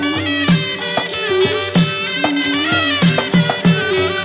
วันนี้ขอบพระคุณอาจารย์อีกทีนะครับ